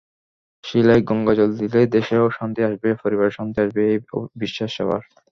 শিলায় গঙ্গাজল দিলে দেশে শান্তি আসবে, পরিবারে শান্তি আসবে—এই বিশ্বাস সবার।